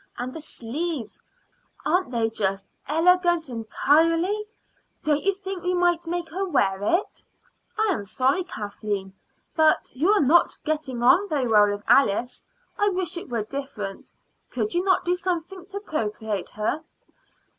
And the sleeves aren't they just illegant entirely? Don't you think we might make her wear it?" "I am sorry, Kathleen, but you are not getting on very well with Alice. I wish it were different. Could you not do something to propitiate her?"